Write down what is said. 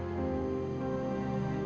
mas manggun mas